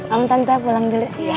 amu tante pulang dulu ya